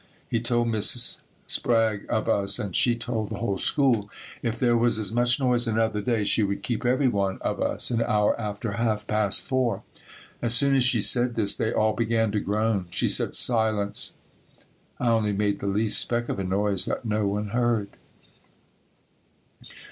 He told Miss Sprague of us and she told the whole school if there was as much noise another day she would keep every one of us an hour after half past 4. As soon as she said this they all began to groan. She said "Silence." I only made the least speck of a noise that no one heard.